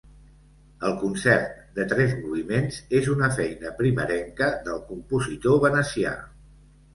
El concert, de tres moviments, és una feina primerenca del compositor venecià.